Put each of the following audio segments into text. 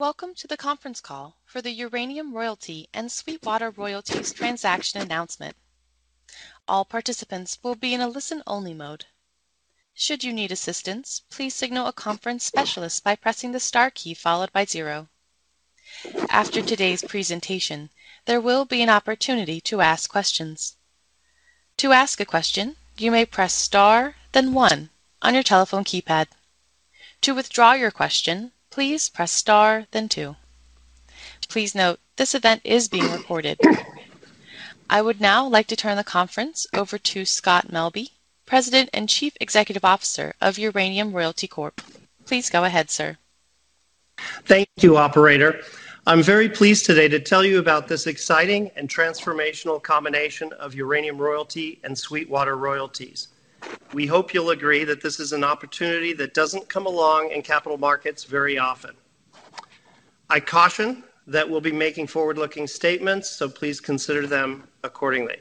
Welcome to the conference call for the Uranium Royalty and Sweetwater Royalties transaction announcement. All participants will be in a listen-only mode. Should you need assistance, please signal a conference specialist by pressing the star key followed by zero. After today's presentation, there will be an opportunity to ask questions. To ask a question, you may press star, then one on your telephone keypad. To withdraw your question, please press star then two. Please note, this event is being recorded. I would now like to turn the conference over to Scott Melbye, President and Chief Executive Officer of Uranium Royalty Corp. Please go ahead, sir. Thank you, operator. I'm very pleased today to tell you about this exciting and transformational combination of Uranium Royalty and Sweetwater Royalties. We hope you'll agree that this is an opportunity that doesn't come along in capital markets very often. I caution that we'll be making forward-looking statements, so please consider them accordingly.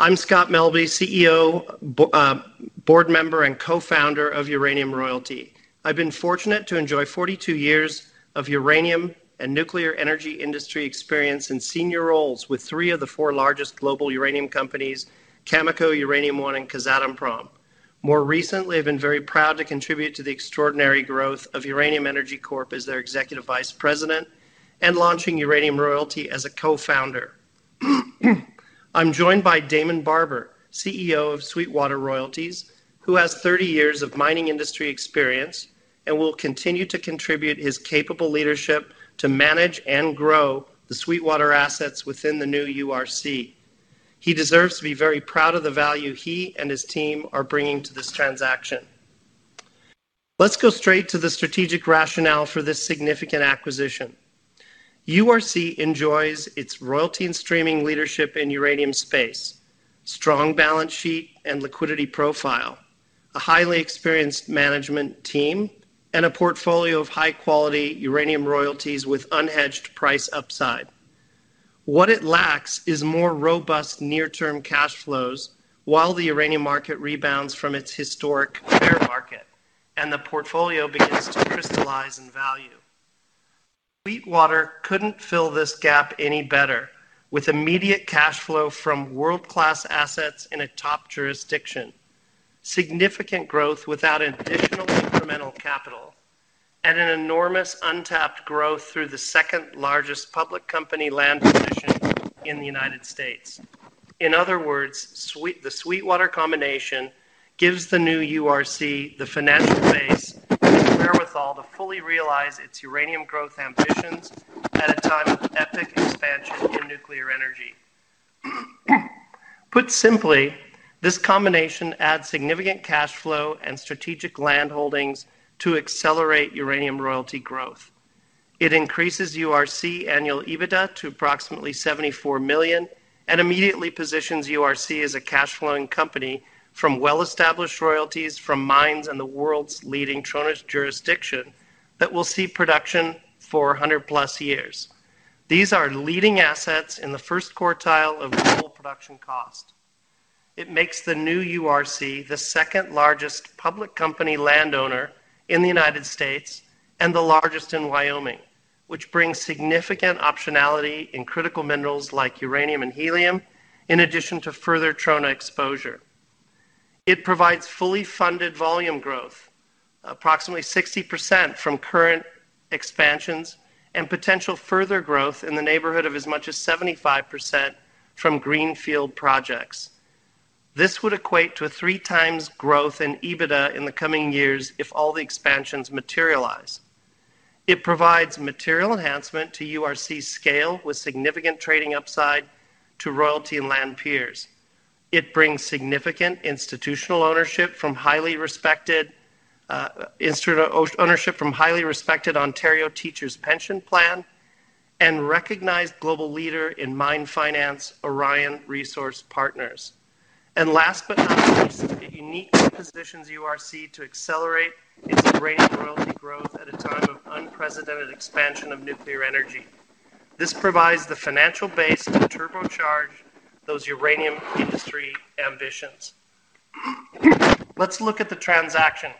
I'm Scott Melbye, CEO, Board Member, and Co-Founder of Uranium Royalty. I've been fortunate to enjoy 42 years of uranium and nuclear energy industry experience in senior roles with three of the four largest global uranium companies, Cameco, Uranium One, and Kazatomprom. More recently, I've been very proud to contribute to the extraordinary growth of Uranium Energy Corp as their Executive Vice President, and launching Uranium Royalty as a Co-Founder. I'm joined by Damon Barber, CEO of Sweetwater Royalties, who has 30 years of mining industry experience and will continue to contribute his capable leadership to manage and grow the Sweetwater assets within the new URC. He deserves to be very proud of the value he and his team are bringing to this transaction. Let's go straight to the strategic rationale for this significant acquisition. URC enjoys its royalty and streaming leadership in uranium space, strong balance sheet and liquidity profile, a highly experienced management team, and a portfolio of high-quality uranium royalties with unhedged price upside. What it lacks is more robust near-term cash flows while the uranium market rebounds from its historic bear market and the portfolio begins to crystallize in value. Sweetwater couldn't fill this gap any better, with immediate cash flow from world-class assets in a top jurisdiction, significant growth without additional incremental capital, and an enormous untapped growth through the second largest public company land position in the United States. In other words, the Sweetwater combination gives the new URC the financial base and wherewithal to fully realize its uranium growth ambitions at a time of epic expansion in nuclear energy. Put simply, this combination adds significant cash flow and strategic land holdings to accelerate Uranium Royalty growth. It increases URC annual EBITDA to approximately $74 million and immediately positions URC as a cash flowing company from well-established royalties from mines in the world's leading trona jurisdiction that will see production for 100+ years. These are leading assets in the first quartile of total production cost. It makes the new URC the second largest public company landowner in the United States and the largest in Wyoming, which brings significant optionality in critical minerals like uranium and helium, in addition to further trona exposure. It provides fully funded volume growth, approximately 60% from current expansions and potential further growth in the neighborhood of as much as 75% from greenfield projects. This would equate to a 3x growth in EBITDA in the coming years if all the expansions materialize. It provides material enhancement to URC's scale with significant trading upside to royalty and land peers. It brings significant institutional ownership from highly respected Ontario Teachers' Pension Plan and recognized global leader in mine finance, Orion Resource Partners. Last but not least, it uniquely positions URC to accelerate its great Royalty growth at a time of unprecedented expansion of nuclear energy. This provides the financial base to turbocharge those uranium industry ambitions. Let's look at the transaction.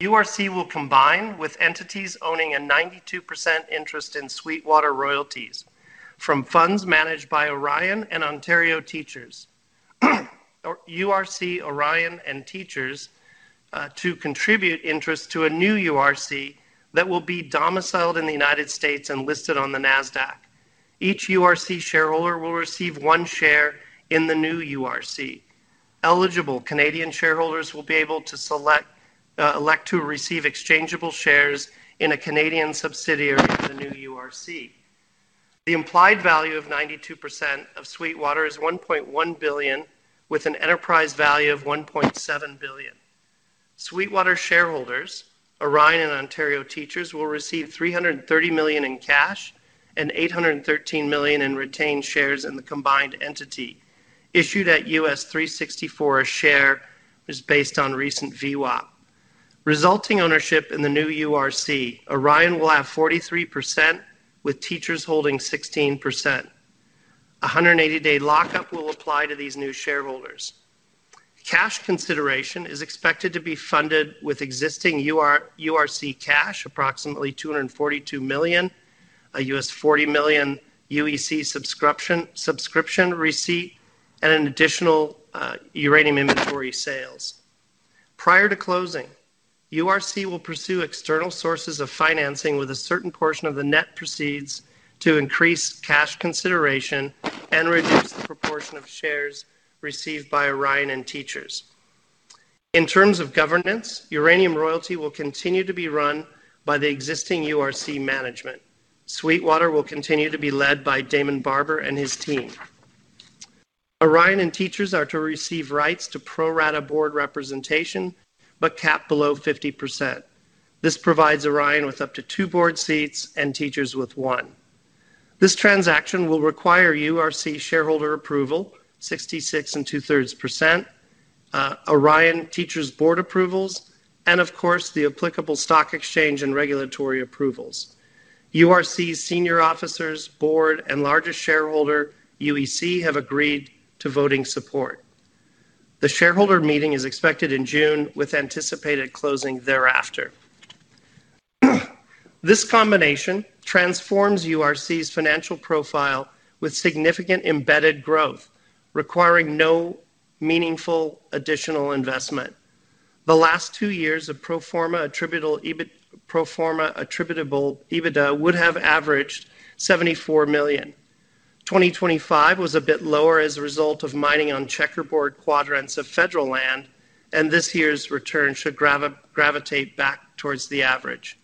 URC will combine with entities owning a 92% interest in Sweetwater Royalties from funds managed by Orion and Ontario Teachers. URC, Orion, and Teachers to contribute interest to a new URC that will be domiciled in the United States and listed on the NASDAQ. Each URC shareholder will receive one share in the new URC. Eligible Canadian shareholders will be able to elect to receive exchangeable shares in a Canadian subsidiary of the new URC. The implied value of 92% of Sweetwater is $1.1 billion, with an enterprise value of $1.7 billion. Sweetwater shareholders, Orion and Ontario Teachers, will receive $300 million in cash and $813 million in retained shares in the combined entity, issued at $3.64 a share, which was based on recent VWAP. Resulting ownership in the new URC, Orion will have 43%, with Teachers holding 16%. 180-day lock-up will apply to these new shareholders. Cash consideration is expected to be funded with existing URC cash, approximately $242 million, a $40 million UEC subscription receipt, and additional uranium inventory sales. Prior to closing, URC will pursue external sources of financing with a certain portion of the net proceeds to increase cash consideration and reduce the proportion of shares received by Orion and Teachers. In terms of governance, Uranium Royalty will continue to be run by the existing URC management. Sweetwater will continue to be led by Damon Barber and his team. Orion and Teachers are to receive rights to pro rata board representation, but capped below 50%. This provides Orion with up to two board seats and Teachers with one. This transaction will require URC shareholder approval, 66 2/3%, Orion, Teachers board approvals, and of course, the applicable stock exchange and regulatory approvals. URC's senior officers, board, and largest shareholder, UEC, have agreed to voting support. The shareholder meeting is expected in June, with anticipated closing thereafter. This combination transforms URC's financial profile with significant embedded growth requiring no meaningful additional investment. The last two years of pro forma attributable EBITDA would have averaged $74 million. 2025 was a bit lower as a result of mining on checkerboard quadrants of federal land, and this year's return should gravitate back towards the average.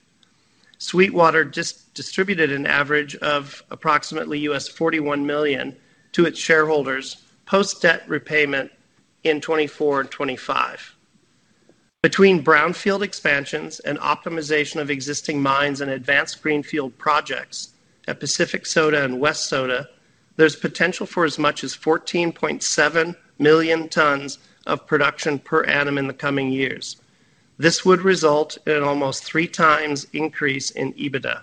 Sweetwater distributed an average of approximately $41 million to its shareholders post-debt repayment in 2024 and 2025. Between brownfield expansions and optimization of existing mines and advanced greenfield projects at Pacific Soda and West Soda, there's potential for as much as 14.7 million tons of production per annum in the coming years. This would result in almost three times increase in EBITDA.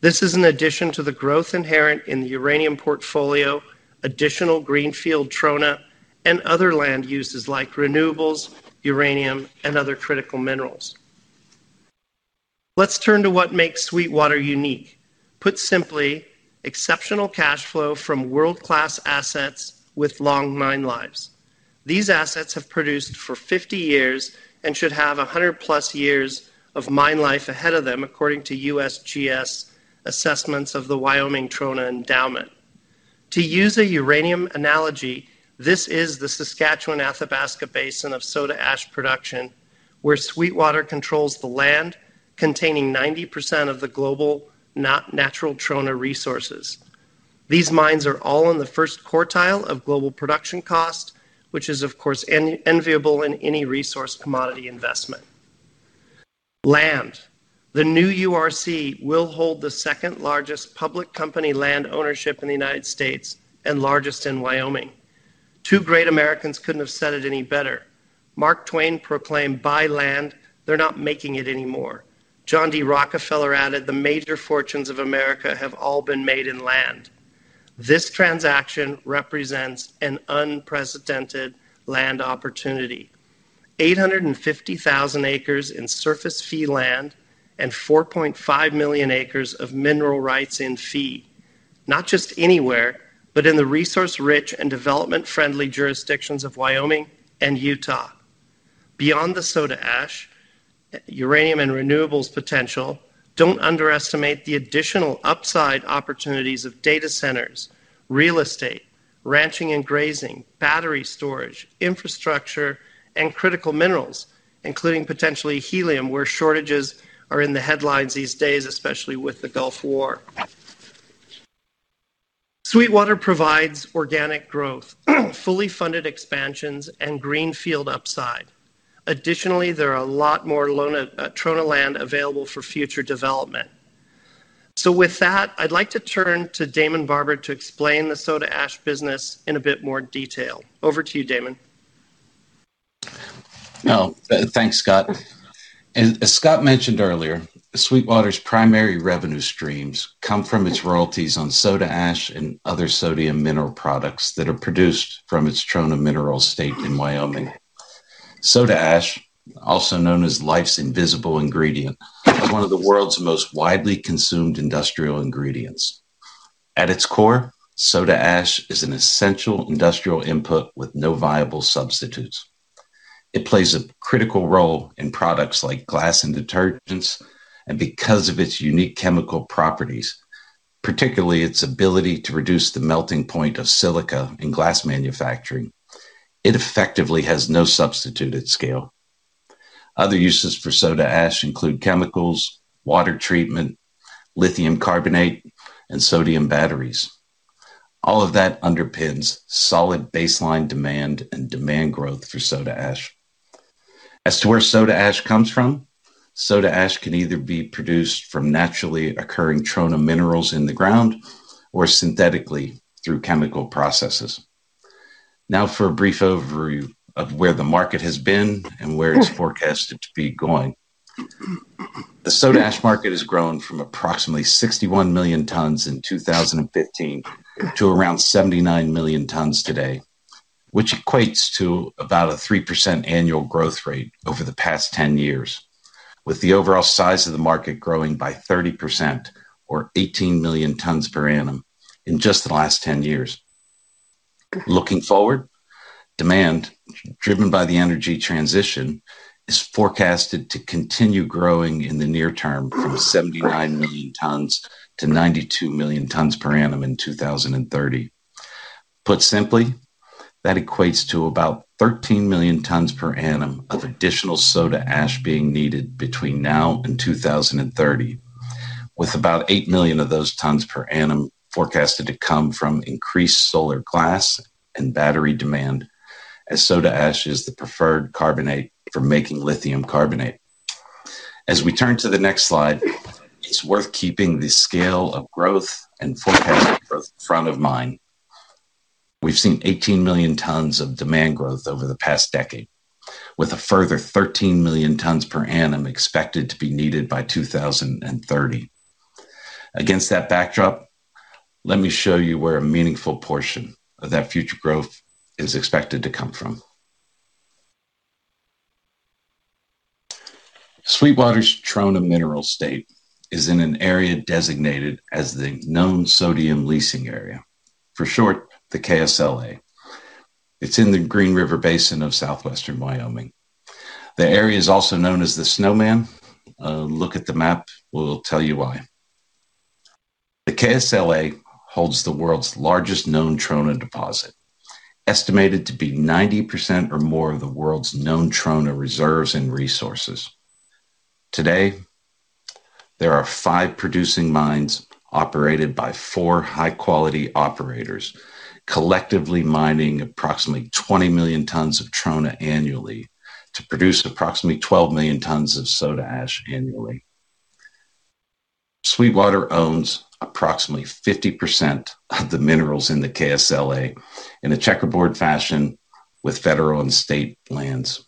This is an addition to the growth inherent in the uranium portfolio, additional greenfield trona, and other land uses like renewables, uranium, and other critical minerals. Let's turn to what makes Sweetwater unique. Put simply, exceptional cash flow from world-class assets with long mine lives. These assets have produced for 50 years and should have 100+ years of mine life ahead of them, according to USGS assessments of the Wyoming Trona Endowment. To use a uranium analogy, this is the Saskatchewan Athabasca Basin of soda ash production, where Sweetwater controls the land containing 90% of the global natural trona resources. These mines are all in the first quartile of global production cost, which is of course enviable in any resource commodity investment. Land, the new URC will hold the second largest public company land ownership in the United States and largest in Wyoming. Two great Americans couldn't have said it any better. Mark Twain proclaimed, buy land, they're not making it anymore. John D. Rockefeller added, the major fortunes of America have all been made in land. This transaction represents an unprecedented land opportunity. 850,000 acres in surface fee land and 4.5 million acres of mineral rights in fee. Not just anywhere, but in the resource-rich and development-friendly jurisdictions of Wyoming and Utah. Beyond the soda ash, uranium, and renewables potential, don't underestimate the additional upside opportunities of data centers, real estate, ranching and grazing, battery storage, infrastructure, and critical minerals, including potentially helium, where shortages are in the headlines these days, especially with the Gulf War. Sweetwater provides organic growth, fully funded expansions, and greenfield upside. Additionally, there are a lot more trona land available for future development. With that, I'd like to turn to Damon Barber to explain the soda ash business in a bit more detail. Over to you, Damon. Thanks, Scott. As Scott mentioned earlier, Sweetwater's primary revenue streams come from its royalties on soda ash and other sodium mineral products that are produced from its trona mineral estate in Wyoming. Soda ash, also known as life's invisible ingredient, is one of the world's most widely consumed industrial ingredients. At its core, soda ash is an essential industrial input with no viable substitutes. It plays a critical role in products like glass and detergents, and because of its unique chemical properties, particularly its ability to reduce the melting point of silica in glass manufacturing, it effectively has no substitute at scale. Other uses for soda ash include chemicals, water treatment, lithium carbonate, and sodium batteries. All of that underpins solid baseline demand and demand growth for soda ash. As to where soda ash comes from, soda ash can either be produced from naturally occurring trona minerals in the ground or synthetically through chemical processes. Now for a brief overview of where the market has been and where it's forecasted to be going. The soda ash market has grown from approximately 61 million tons in 2015 to around 79 million tons today, which equates to about a 3% annual growth rate over the past 10 years, with the overall size of the market growing by 30% or 18 million tons per annum in just the last 10 years. Looking forward, demand driven by the energy transition is forecasted to continue growing in the near term from 79 million tons to 92 million tons per annum in 2030. Put simply, that equates to about 13 million tons per annum of additional soda ash being needed between now and 2030, with about 8 million of those tons per annum forecasted to come from increased solar glass and battery demand, as soda ash is the preferred carbonate for making lithium carbonate. As we turn to the next slide, it's worth keeping the scale of growth and forecasted growth front of mind. We've seen 18 million tons of demand growth over the past decade, with a further 13 million tons per annum expected to be needed by 2030. Against that backdrop, let me show you where a meaningful portion of that future growth is expected to come from. Sweetwater's trona mineral state is in an area designated as the Known Sodium Leasing Area, for short, the KSLA. It's in the Green River Basin of southwestern Wyoming. The area is also known as the Snowman. A look at the map will tell you why. The KSLA holds the world's largest known trona deposit, estimated to be 90% or more of the world's known trona reserves and resources. Today, there are five producing mines operated by four high-quality operators, collectively mining approximately 20 million tons of trona annually to produce approximately 12 million tons of soda ash annually. Sweetwater owns approximately 50% of the minerals in the KSLA in a checkerboard fashion with federal and state lands.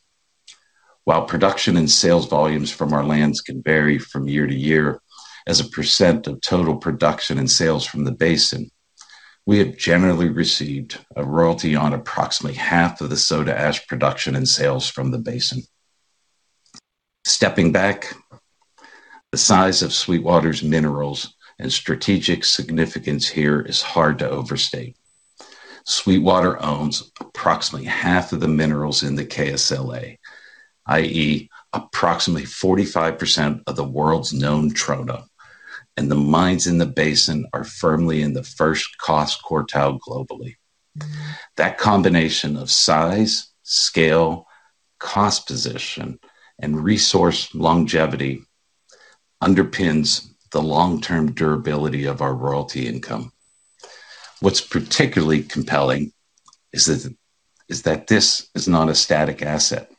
While production and sales volumes from our lands can vary from year-to-year, as a percent of total production and sales from the basin, we have generally received a royalty on approximately half of the soda ash production and sales from the basin. Stepping back, the size of Sweetwater's minerals and strategic significance here is hard to overstate. Sweetwater owns approximately half of the minerals in the KSLA, i.e., approximately 45% of the world's known trona, and the mines in the basin are firmly in the first cost quartile globally. That combination of size, scale, cost position, and resource longevity underpins the long-term durability of our royalty income. What's particularly compelling is that this is not a static asset.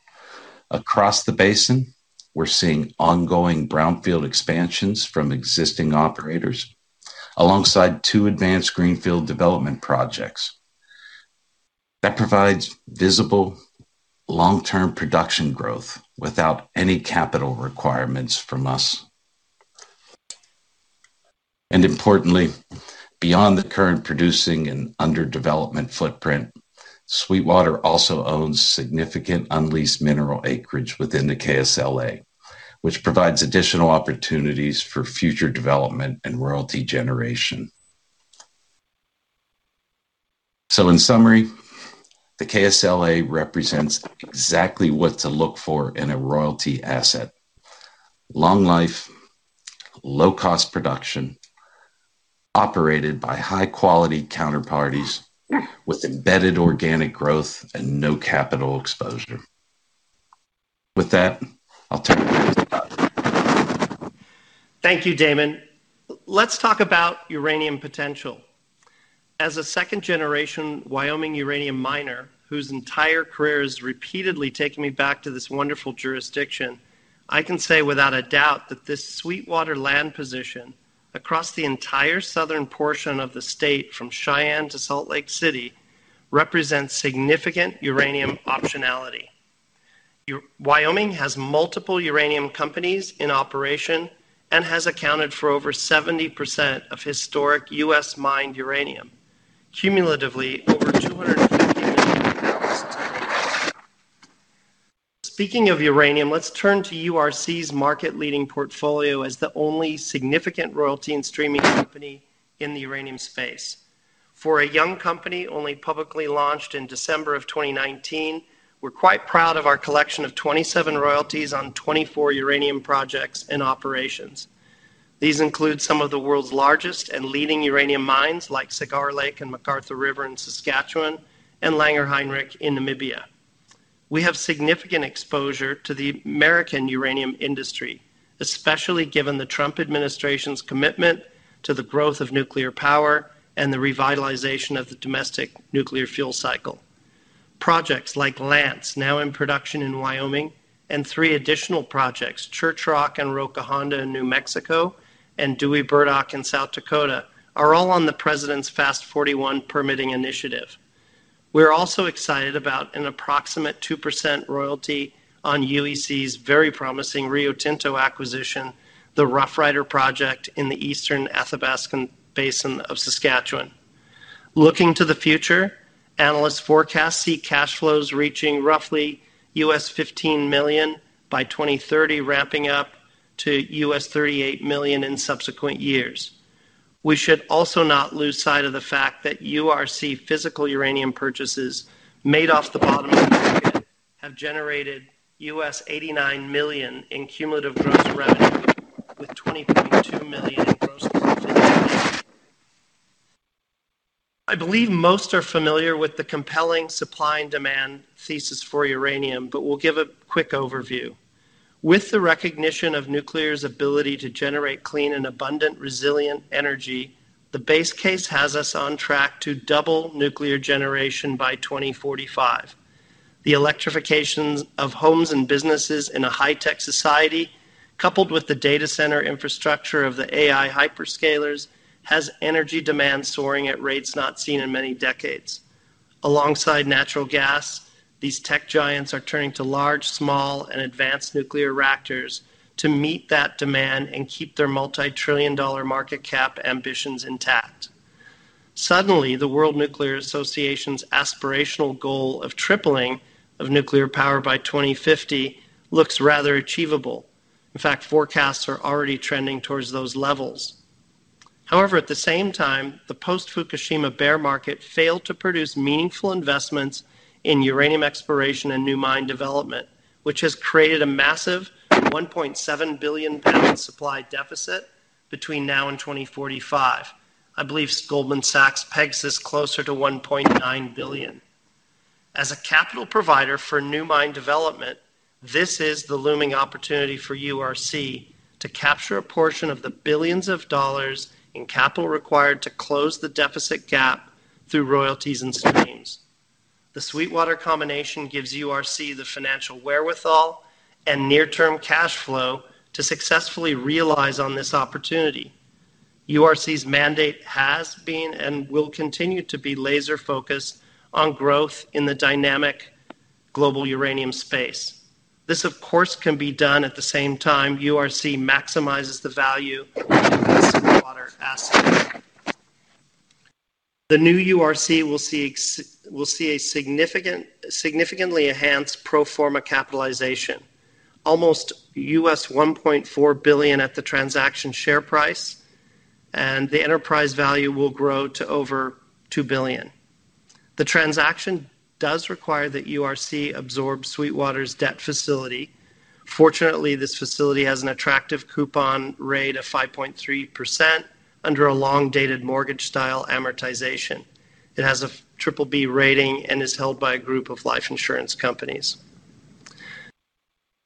Across the basin, we're seeing ongoing brownfield expansions from existing operators alongside two advanced greenfield development projects. That provides visible long-term production growth without any capital requirements from us. Importantly, beyond the current producing and under development footprint, Sweetwater also owns significant unleased mineral acreage within the KSLA, which provides additional opportunities for future development and royalty generation. In summary, the KSLA represents exactly what to look for in a royalty asset, long life, low cost production, operated by high quality counterparties with embedded organic growth and no capital exposure. With that, I'll turn it over to Scott. Thank you, Damon. Let's talk about uranium potential. As a second-generation Wyoming uranium miner whose entire career has repeatedly taken me back to this wonderful jurisdiction, I can say without a doubt that this Sweetwater land position across the entire southern portion of the state from Cheyenne to Salt Lake City represents significant uranium optionality. Wyoming has multiple uranium companies in operation and has accounted for over 70% of historic US-mined uranium, cumulatively over 250 million pounds to date. Speaking of uranium, let's turn to URC's market leading portfolio as the only significant royalty and streaming company in the uranium space. For a young company only publicly launched in December of 2019, we're quite proud of our collection of 27 royalties on 24 uranium projects and operations. These include some of the world's largest and leading uranium mines, like Cigar Lake and McArthur River in Saskatchewan and Langer Heinrich in Namibia. We have significant exposure to the American uranium industry, especially given the Trump administration's commitment to the growth of nuclear power and the revitalization of the domestic nuclear fuel cycle. Projects like Lance, now in production in Wyoming, and three additional projects, Church Rock and Roca Honda in New Mexico, and Dewey Burdock in South Dakota, are all on the president's FAST-41 permitting initiative. We're also excited about an approximate 2% royalty on UEC's very promising Rio Tinto acquisition, the Roughrider project in the eastern Athabasca Basin of Saskatchewan. Looking to the future, analysts' forecasts see cash flows reaching roughly $15 million by 2030, ramping up to $38 million in subsequent years. We should also not lose sight of the fact that URC physical uranium purchases made off the bottom have generated $89 million in cumulative gross revenue, with $20.2 million in gross profit. I believe most are familiar with the compelling supply and demand thesis for uranium, but we'll give a quick overview. With the recognition of nuclear's ability to generate clean and abundant resilient energy, the base case has us on track to double nuclear generation by 2045. The electrifications of homes and businesses in a high-tech society, coupled with the data center infrastructure of the AI hyperscalers, has energy demand soaring at rates not seen in many decades. Alongside natural gas, these tech giants are turning to large, small, and advanced nuclear reactors to meet that demand and keep their multi-trillion dollar market cap ambitions intact. Suddenly, the World Nuclear Association's aspirational goal of tripling of nuclear power by 2050 looks rather achievable. In fact, forecasts are already trending towards those levels. However, at the same time, the post-Fukushima bear market failed to produce meaningful investments in uranium exploration and new mine development, which has created a massive 1.7 billion-pound supply deficit between now and 2045. I believe Goldman Sachs pegs this closer to 1.9 billion. As a capital provider for new mine development, this is the looming opportunity for URC to capture a portion of the billions of dollars in capital required to close the deficit gap through royalties and streams. The Sweetwater combination gives URC the financial wherewithal and near-term cash flow to successfully realize on this opportunity. URC's mandate has been and will continue to be laser-focused on growth in the dynamic global uranium space. This, of course, can be done at the same time URC maximizes the value of its Sweetwater assets. The new URC will see a significantly enhanced pro forma capitalization, almost $1.4 billion at the transaction share price, and the enterprise value will grow to over $2 billion. The transaction does require that URC absorb Sweetwater's debt facility. Fortunately, this facility has an attractive coupon rate of 5.3% under a long-dated mortgage style amortization. It has a BBB rating and is held by a group of life insurance companies.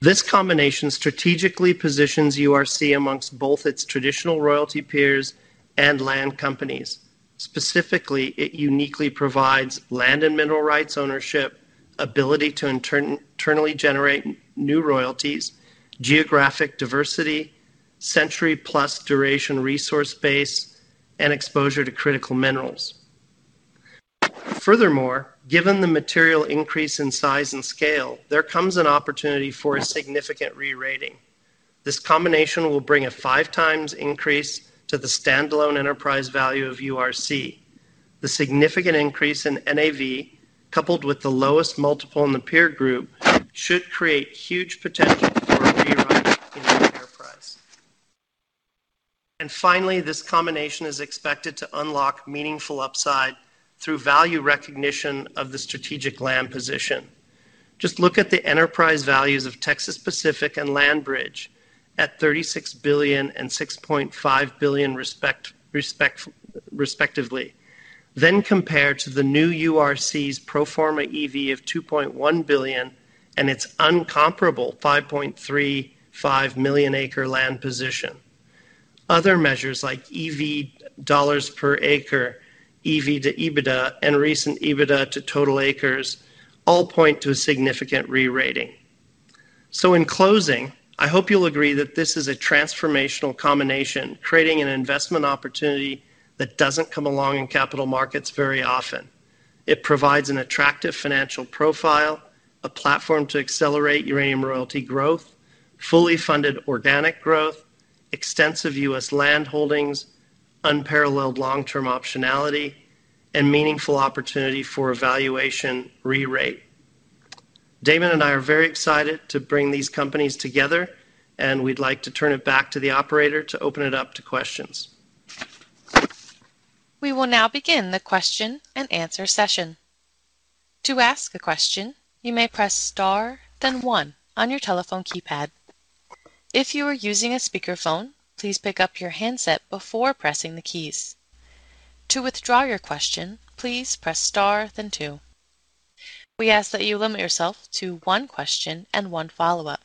This combination strategically positions URC amongst both its traditional royalty peers and land companies. Specifically, it uniquely provides land and mineral rights ownership, ability to internally generate new royalties, geographic diversity, century-plus duration resource base, and exposure to critical minerals. Furthermore, given the material increase in size and scale, there comes an opportunity for a significant re-rating. This combination will bring a 5x increase to the standalone enterprise value of URC. The significant increase in NAV, coupled with the lowest multiple in the peer group, should create huge potential for a re-rating in share price. Finally, this combination is expected to unlock meaningful upside through value recognition of the strategic land position. Just look at the enterprise values of Texas Pacific and LandBridge at $36 billion and $6.5 billion respectively. Compare to the new URC's pro forma EV of $2.1 billion and its uncomparable 5.35 million-acre land position. Other measures like EV dollars per acre, EV to EBITDA, and recent EBITDA to total acres all point to a significant re-rating. In closing, I hope you'll agree that this is a transformational combination, creating an investment opportunity that doesn't come along in capital markets very often. It provides an attractive financial profile, a platform to accelerate uranium royalty growth, fully-funded organic growth, extensive US land holdings, unparalleled long-term optionality, and meaningful opportunity for a valuation re-rate. Damon and I are very excited to bring these companies together, and we'd like to turn it back to the operator to open it up to questions. We will now begin the question-and-answer session. To ask a question, you may press star then one on your telephone keypad. If you are using a speakerphone, please pick up your handset before pressing the keys. To withdraw your question, please press star then two. We ask that you limit yourself to one question and one follow-up.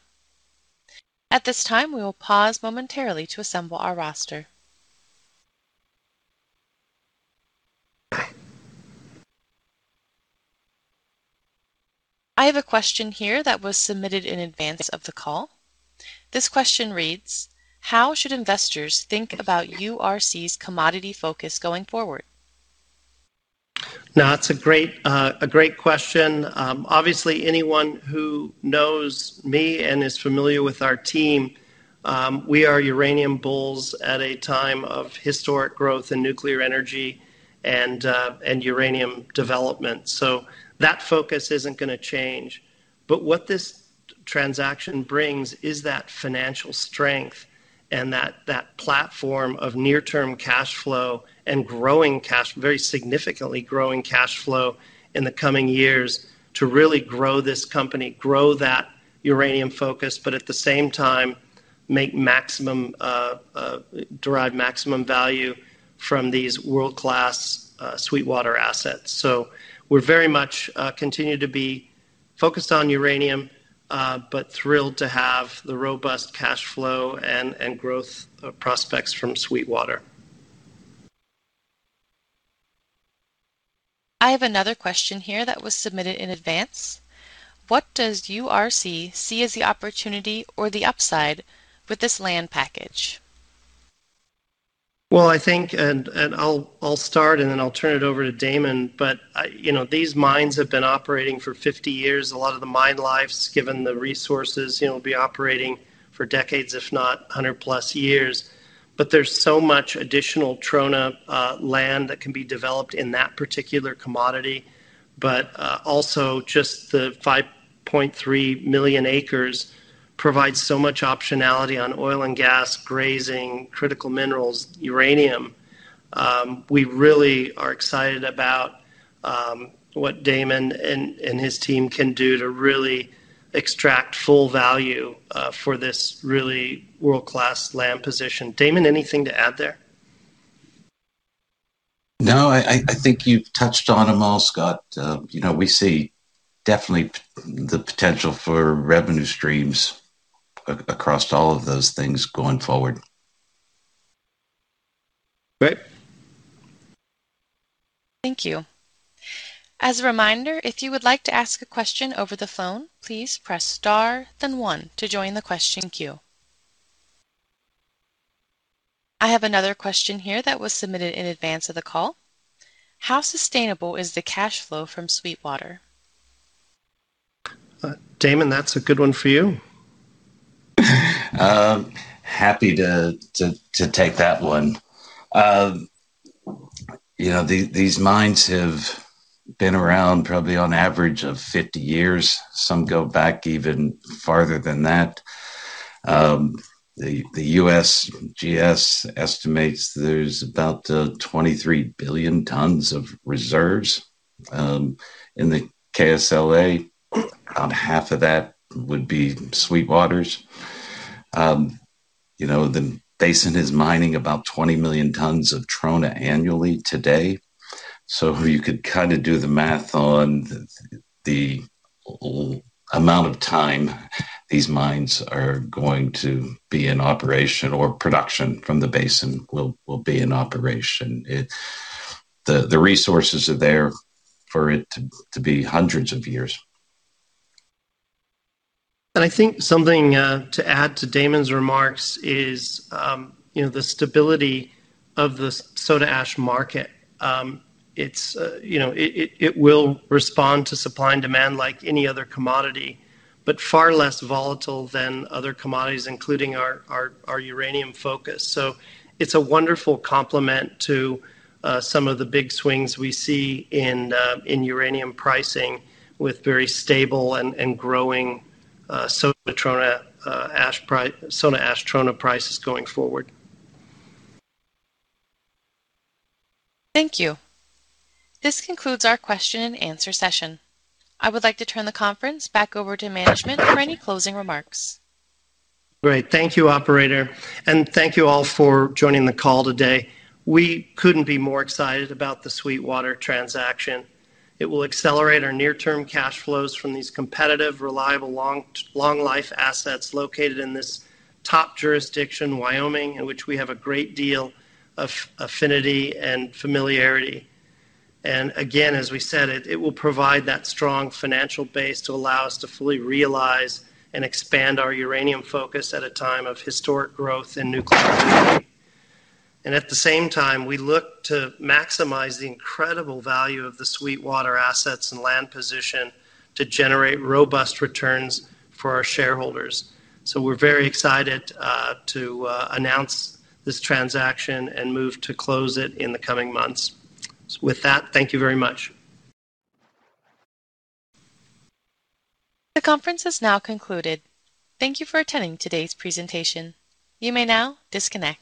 At this time, we will pause momentarily to assemble our roster. I have a question here that was submitted in advance of the call. This question reads, how should investors think about URC's commodity focus going forward? Now, that's a great question. Obviously, anyone who knows me and is familiar with our team, we are uranium bulls at a time of historic growth in nuclear energy and uranium development. That focus isn't going to change. What this transaction brings is that financial strength and that platform of near-term cash flow and very significantly growing cash flow in the coming years to really grow this company, grow that uranium focus, but at the same time, derive maximum value from these world-class Sweetwater assets. We very much continue to be focused on uranium, but thrilled to have the robust cash flow and growth prospects from Sweetwater. I have another question here that was submitted in advance. What does URC see as the opportunity or the upside with this land package? Well, I think, and I'll start, and then I'll turn it over to Damon, but these mines have been operating for 50 years. A lot of the mine lives, given the resources, will be operating for decades, if not 100+ years. There's so much additional trona land that can be developed in that particular commodity, but also just the 5.3 million acres provides so much optionality on oil and gas, grazing, critical minerals, uranium. We really are excited about what Damon and his team can do to really extract full value for this really world-class land position. Damon, anything to add there? No, I think you've touched on them all, Scott. We see definitely the potential for revenue streams across all of those things going forward. Great. Thank you. As a reminder, if you would like to ask a question over the phone please press star then one to join the question queue. I have another question here that was submitted in advance of the call. How sustainable is the cash flow from Sweetwater? Damon, that's a good one for you. Happy to take that one. These mines have been around probably on average of 50 years. Some go back even farther than that. The USGS estimates there's about 23 billion tons of reserves in the KSLA. About half of that would be Sweetwater's. The basin is mining about 20 million tons of trona annually today. You could do the math on the amount of time these mines are going to be in operation or production from the basin will be in operation. The resources are there for it to be hundreds of years. I think something to add to Damon's remarks is the stability of the soda ash market. It will respond to supply and demand like any other commodity, but far less volatile than other commodities, including our uranium focus. It's a wonderful complement to some of the big swings we see in uranium pricing with very stable and growing soda ash trona prices going forward. Thank you. This concludes our question-and-answer session. I would like to turn the conference back over to management for any closing remarks. Great. Thank you, operator, and thank you all for joining the call today. We couldn't be more excited about the Sweetwater transaction. It will accelerate our near-term cash flows from these competitive, reliable, long life assets located in this top jurisdiction, Wyoming, in which we have a great deal of affinity and familiarity. Again, as we said, it will provide that strong financial base to allow us to fully realize and expand our uranium focus at a time of historic growth in nuclear energy. At the same time, we look to maximize the incredible value of the Sweetwater assets and land position to generate robust returns for our shareholders. We're very excited to announce this transaction and move to close it in the coming months. With that, thank you very much. The conference is now concluded. Thank you for attending today's presentation. You may now disconnect.